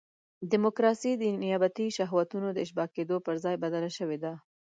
ډیموکراسي د نیابتي شهوتونو د اشباع کېدو پر ځای بدله شوې ده.